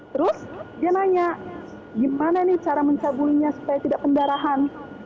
terus dia nanya gimana nih cara mencabulinya supaya tidak pendarahan